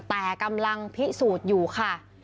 แต่กำลังพิสูจน์อยู่ค่ะ